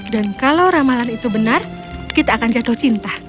dan kalau ramalan itu benar kita akan jatuh cinta